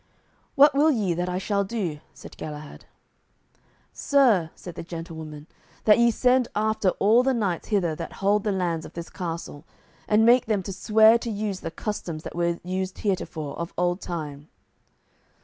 "What will ye that I shall do?" said Galahad. "Sir," said the gentlewoman, "that ye send after all the knights hither that hold their lands of this castle, and make them to swear to use the customs that were used heretofore of old time."